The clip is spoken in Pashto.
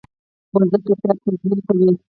ورزش د صحت تضمین کوي.